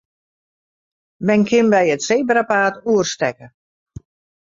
Men kin by it sebrapaad oerstekke.